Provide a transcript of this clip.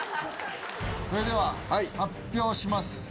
それでは発表します。